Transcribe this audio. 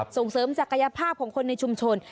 ส่งเสริมศักยภาพของคนในชุมชน